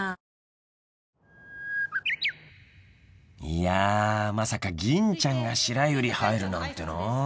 ［いやまさか吟ちゃんが白百合入るなんてな］